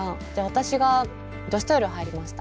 私が女子トイレ入りました。